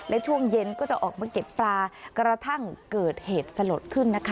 และช่วงเย็นก็จะออกมาเก็บปลากระทั่งเกิดเหตุสลดขึ้นนะคะ